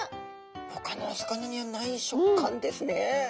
ほかのお魚にはない食感ですね。